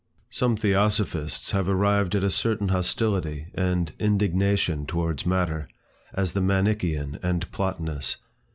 Some theosophists have arrived at a certain hostility and indignation towards matter, as the Manichean and Plotinus.